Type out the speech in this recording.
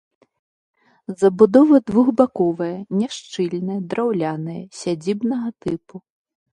Забудова двухбаковая, няшчыльная, драўляная, сядзібнага тыпу.